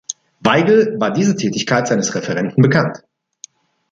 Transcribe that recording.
Weigel war diese Tätigkeit seines Referenten bekannt.